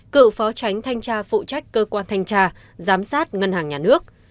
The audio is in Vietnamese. cựu phó tránh thanh tra phụ trách cơ quan thanh tra giám sát ngân hàng nhà nước